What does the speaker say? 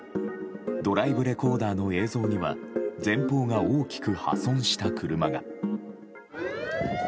ドライブレコーダーの映像には前方が大きく破損した車が。